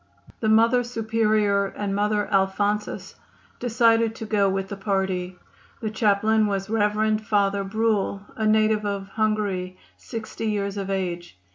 The Mother Superior and Mother Alphonsus decided to go with the party. The chaplain was Rev. Father Bruhl, a native of Hungary, sixty years of age.